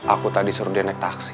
aku tadi suruh dia naik taksi